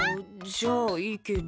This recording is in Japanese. じゃあいいけど。